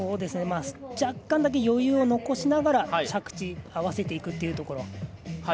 若干だけ余裕を残しながら着地、合わせていくというところ。